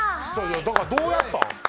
だから、どうやったん？